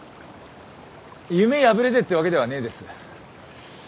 夢破れてってわけではねえです。